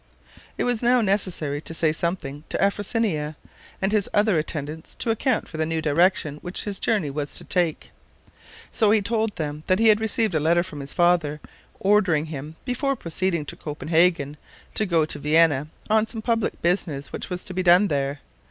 It was now necessary to say something to Afrosinia and his other attendants to account for the new direction which his journey was to take; so he told them that he had received a letter from his father, ordering him, before proceeding to Copenhagen, to go to Vienna on some public business which was to be done there.